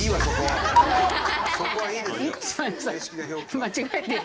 間違えてる？